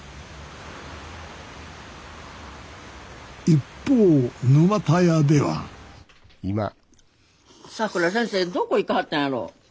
一方沼田屋ではさくら先生どこ行かはったんやろ。